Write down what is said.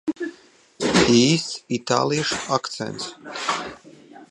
Īsts itāliešu akcents.